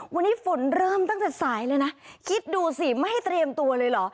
วันนี้ฝนเริ่มตั้งแต่สายเลยนะคิดดูสิไม่ให้เตรียมตัวเลยเหรอ